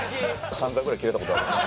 ３回ぐらいキレた事あるんで。